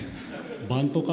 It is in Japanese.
バントか？